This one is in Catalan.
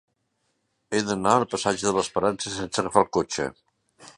He d'anar al passatge de l'Esperança sense agafar el cotxe.